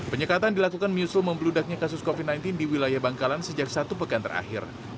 penyekatan dilakukan menyusul membludaknya kasus covid sembilan belas di wilayah bangkalan sejak satu pekan terakhir